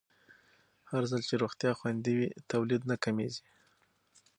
هرځل چې روغتیا خوندي وي، تولید کم نه کېږي.